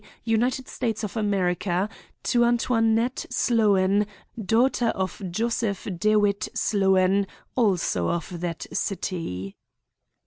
United States of America, to Antoinette Sloan, daughter of Joseph Dewitt Sloan, also of that city."